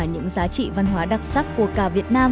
những giá trị văn hóa đặc sắc của cả việt nam